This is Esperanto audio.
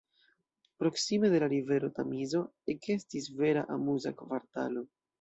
Proksime de la rivero Tamizo ekestis vera amuza kvartalo.